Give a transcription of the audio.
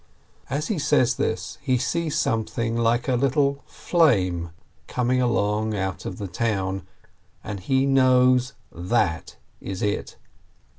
As he says this, he sees something like a little flame coming along out of the town, and he knows, That is it